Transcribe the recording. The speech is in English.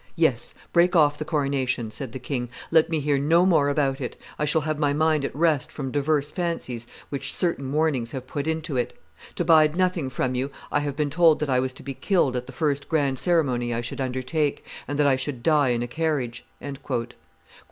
"Yes, break off the coronation," said the king: "let me hear no more about it; I shall have my mind at rest from divers fancies which certain warnings have put into it. To bide nothing from you, I have been told that I was to be killed at the first grand ceremony I should undertake, and that I should die in a carriage."